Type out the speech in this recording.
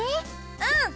うん！